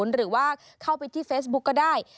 หรือว่าเข้าไปที่เฟซบุ๊กก็ได้